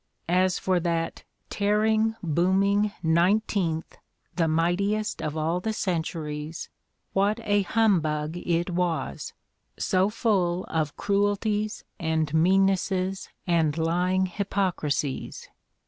As for that "tearing, booming nineteenth, the mightiest of all the centuries" — what a humbug it was, so full of cruelties and meannesses and lying hypocrisies!